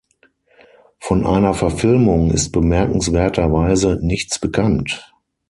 Von einer Verfilmung ist bemerkenswerterweise nichts bekannt.